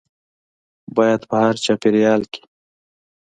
باید په هر چاپیریال کې